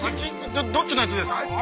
どっちのあっちですか？